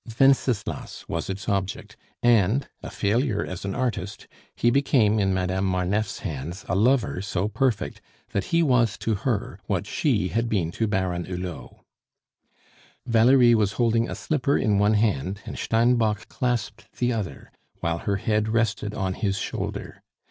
Wenceslas was its object, and, a failure as an artist, he became in Madame Marneffe's hands a lover so perfect that he was to her what she had been to Baron Hulot. Valerie was holding a slipper in one hand, and Steinbock clasped the other, while her head rested on his shoulder.